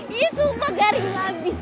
ih sumpah garing abis